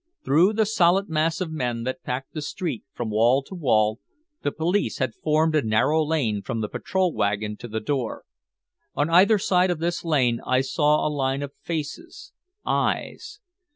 Through the solid mass of men that packed the street from wall to wall, the police had forced a narrow lane from the patrol wagon to the door. On either side of this lane I saw a line of faces, eyes.